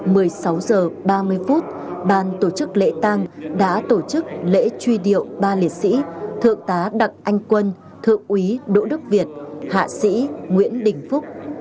một mươi sáu h ba mươi phút ban tổ chức lễ tang đã tổ chức lễ truy điệu ba liệt sĩ thượng tá đặng anh quân thượng úy đỗ đức việt hạ sĩ nguyễn đình phúc